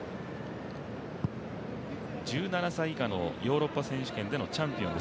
１７歳以下のヨーロッパ選手権でのチャンピオン。